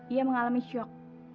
ia mengalami syok